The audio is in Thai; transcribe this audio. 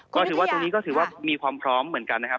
ก็ถือว่าตรงนี้ก็ถือว่ามีความพร้อมเหมือนกันนะครับ